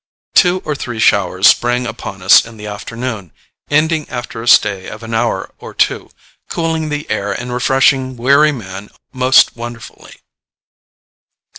Two or three showers sprang upon us in the afternoon, ending after a stay of an hour or two, cooling the air and refreshing weary man most wonderfully.